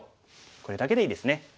これだけでいいですね。